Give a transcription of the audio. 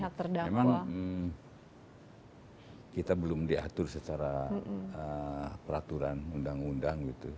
memang kita belum diatur secara peraturan undang undang gitu